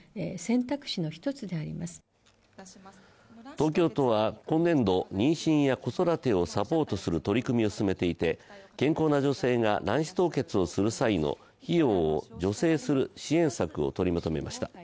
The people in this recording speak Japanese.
東京都は今年度、妊娠や子育てをサポートする取り組みを進めていて、健康な女性が卵子凍結をする際の費用を助成する支援策を取りまとめました。